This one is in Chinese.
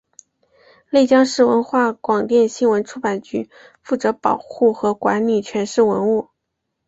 内江市文化广电新闻出版局负责保护和管理全市文物。